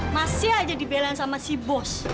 masih aja dibelain sama si bos